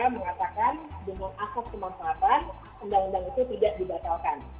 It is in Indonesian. mengatakan dengan asas kemanfaatan undang undang itu tidak dibatalkan